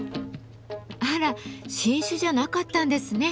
あら新種じゃなかったんですね。